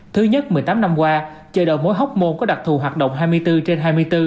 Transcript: thứ nhất một mươi tám năm qua chợ đầu mối hóc môn có đặc thù hoạt động hai mươi bốn trên hai mươi bốn